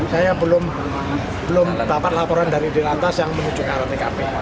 saya belum dapat laporan dari dir lantas yang menunjukkan rtkp